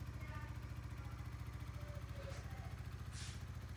Jejich hroby se ale zázrakem spojí.